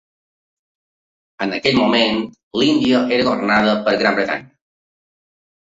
En aquell moment, l'Índia era governada per Gran Bretanya.